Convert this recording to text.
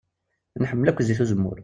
Nḥemmel akk zzit n uzemmur.